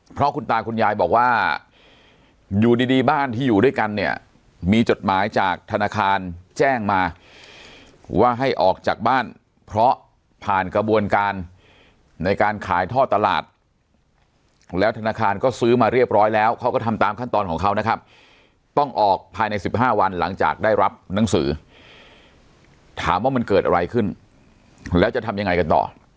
เพราะคุณตาคุณยายบอกว่าอยู่ดีบ้านที่อยู่ด้วยกันเนี่ยมีจดหมายจากธนาคารแจ้งมาว่าให้ออกจากบ้านเพราะผ่านกระบวนการในการขายท่อตลาดแล้วธนาคารก็ซื้อมาเรียบร้อยแล้วเขาก็ทำตามขั้นตอนของเขานะครับต้องออกภายใน๑๕วันหลังจากได้รับหนังสือถามว่ามันเกิดอะไรขึ้นแล้วจะทำยังไงกันต่อ